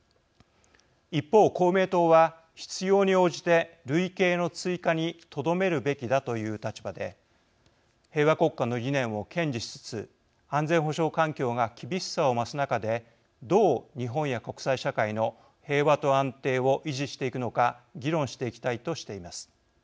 一方公明党は必要に応じて類型の追加にとどめるべきだという立場で平和国家の理念を堅持しつつ安全保障環境が厳しさを増す中でどう日本や国際社会の平和と安定を維持していくのか議論していきたいとしています。